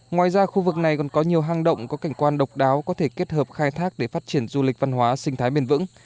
ngoài ra khu vực này còn có nhiều hang động có cảnh quan độc đáo có thể kết hợp khai thác để phát triển du lịch văn hóa sinh thái bền vững